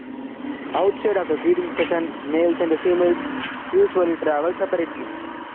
Outside of the breeding season, males and females usually travel separately.